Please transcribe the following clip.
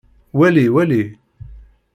Wali wali!